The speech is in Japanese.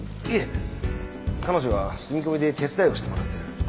いえ彼女は住み込みで手伝いをしてもらってる。